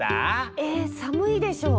え寒いでしょう。